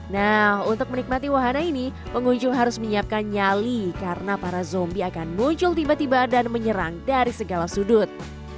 nah untuk menikmati wahana ini pengunjung harus menyiapkan nyali karena para zombie akan muncul tiba tiba dan menyerang dari segala sudut